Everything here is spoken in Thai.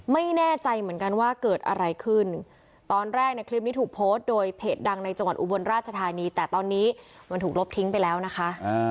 ไม่แน่ใจเหมือนกันว่าเกิดอะไรขึ้นตอนแรกในคลิปนี้ถูกโพสต์โดยเพจดังในจังหวัดอุบลราชธานีแต่ตอนนี้มันถูกลบทิ้งไปแล้วนะคะ